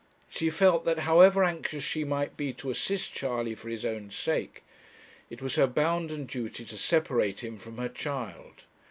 She felt that, however anxious she might be to assist Charley for his own sake, it was her bounden duty to separate him from her child.